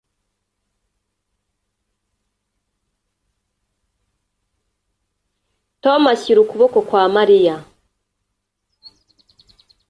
Tom ashyira ukuboko kwa Mariya